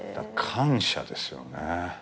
感謝ですよね。